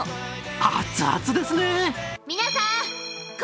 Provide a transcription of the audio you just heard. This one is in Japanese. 熱々ですね。